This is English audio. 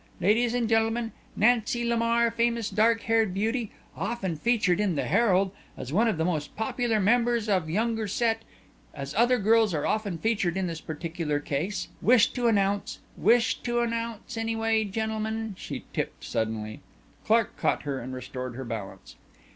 Ladies and gentlemen, Nancy Lamar, famous dark haired beauty often featured in the Herald as one th' most popular members of younger set as other girls are often featured in this particular case. Wish to announce wish to announce, anyway, Gentlemen " She tipped suddenly. Clark caught her and restored her balance.